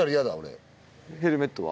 ヘルメットは？